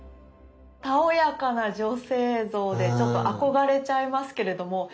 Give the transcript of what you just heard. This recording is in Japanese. たおやかな女性像でちょっと憧れちゃいますけれども。